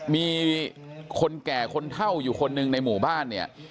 มีคนแก่คนเท่าอยู่คนหนึ่งในหมู่บ้านเนี่ย